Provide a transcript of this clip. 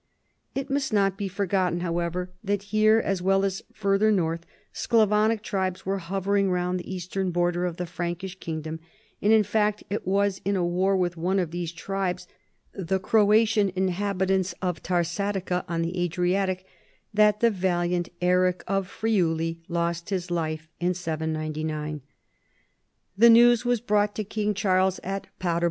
It must not be forgotten, however, that here, as well as further north, Sclavonic tribes were hovering round the eastern border of the Frankish kingdom, and, in fact, it was in a war with one of these tribes, the Croatian inhabitants of Tarsatica, on the Adriatic, that the valiant Eric of Friuli lost his life (799). The news was broufrht to King; Charles at Fader 218 CHARLEMAGNE.